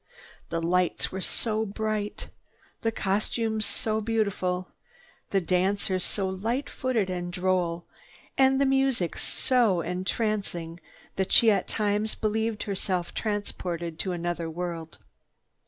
The lights were so bright, the costumes so beautiful, the dancers so light footed and droll, and the music so entrancing that she at times believed herself transported to another world.